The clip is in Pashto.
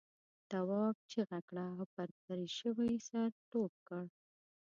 تواب چیغه کړه او پر پرې شوي سر ټوپ کړ.